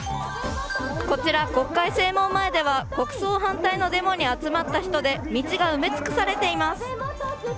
こちら、国会正門前では国葬反対のデモに集まった人で道が埋め尽くされています。